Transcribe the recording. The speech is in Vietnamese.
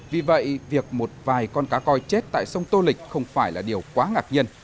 vì vậy việc một vài con cá coi chết tại sông tô lịch không phải là điều quá ngạc nhiên